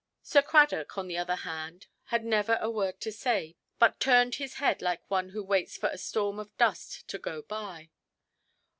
Sir Cradock, on the other hand, had never a word to say, but turned his head like one who waits for a storm of dust to go by.